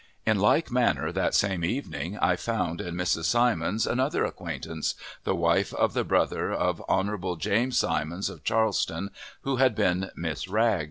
In like manner, that same evening I found in Mrs. Simons another acquaintance the wife of the brother of Hon. James Simons, of Charleston, who had been Miss Wragg.